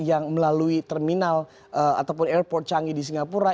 yang melalui terminal ataupun airport canggih di singapura